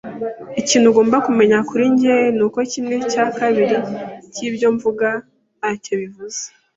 Ikintu ugomba kumenya kuri njye nuko kimwe cya kabiri cyibyo mvuga ntacyo bivuze.